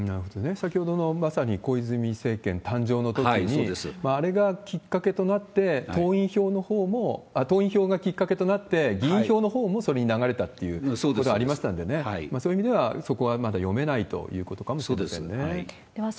先ほどの、まさに小泉政権誕生のときに、あれがきっかけとなって、党員票がきっかけとなって、議員票のほうもそれに流れたってこともありましたんでね、そういう意味では、そこはまだ読めないといそうです。